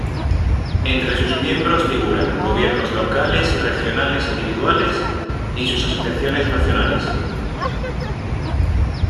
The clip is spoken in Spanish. Entre sus miembros figuran gobiernos locales y regionales individuales y sus asociaciones nacionales.